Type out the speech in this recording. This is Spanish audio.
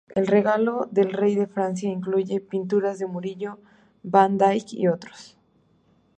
El regalo del Rey de Francia incluye pinturas de Murillo, Van Dyke y otros.